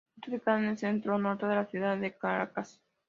Está ubicada en el centro-norte de la ciudad de Caracas.